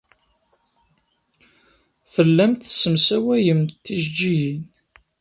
Tellamt tessemsawayemt tijejjigin.